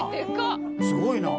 すごい。